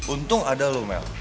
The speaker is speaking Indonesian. untung ada lo mel